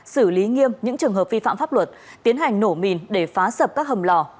xử lý nghiêm những trường hợp vi phạm pháp luật tiến hành nổ mìn để phá sập các hầm lò